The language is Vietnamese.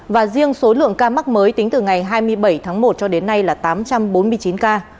và riêng số lượng ca mắc mới tính từ ngày hai mươi bảy tháng một cho đến nay là tám trăm bốn mươi chín ca